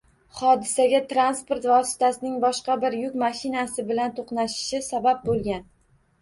Hodisaga transport vositasining boshqa bir yuk mashinasi bilan to‘qnashishi sabab bo‘lgan